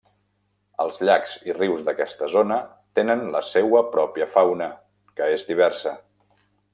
Els llacs i rius d'aquesta zona tenen la seua pròpia fauna, que és diversa.